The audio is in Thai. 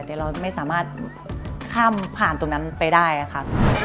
แต่เราไม่สามารถข้ามผ่านตรงนั้นไปได้ค่ะ